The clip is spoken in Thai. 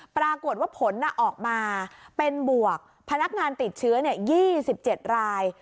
ปรากฏว่าผลออกมาเป็นบวกพนักงานติดเชื้อ๒๗ราย